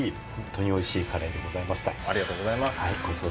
おいしいカレーでございました。